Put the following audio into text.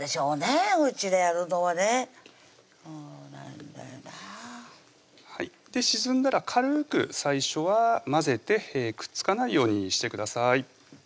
おうちであるのはねそうなんだよなぁ沈んだら軽く最初は混ぜてくっつかないようにしてください